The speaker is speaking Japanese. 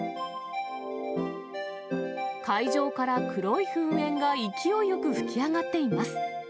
海上から黒い噴煙が勢いよく噴き上がっています。